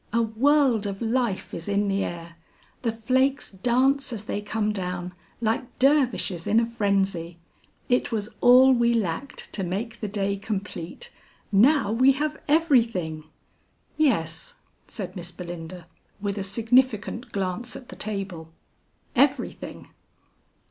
A world of life is in the air; the flakes dance as they come down, like dervishes in a frenzy. It was all we lacked to make the day complete; now we have everything." "Yes," said Miss Belinda, with a significant glance at the table, "everything."